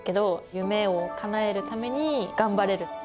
夢を叶えるために頑張れる。